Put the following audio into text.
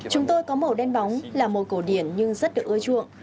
chúng tôi có màu đen bóng là màu cổ điển nhưng rất được ưa chuộng